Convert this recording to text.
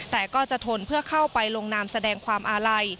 แต่ก็จะทนเพื่อเข้าไปลงนามแสดงความอาลัย